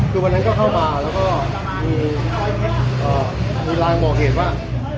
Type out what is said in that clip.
คือวันนั้นก็เข้ามาแล้วก็มีไลน์บอกเหตุว่า